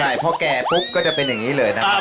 ใช่พอแก่ปุ๊บก็จะเป็นอย่างนี้เลยนะครับ